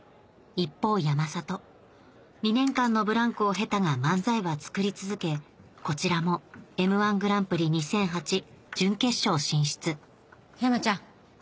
一方山里２年間のブランクを経たが漫才は作り続けこちらも『Ｍ−１グランプリ』２００８準決勝進出山ちゃん。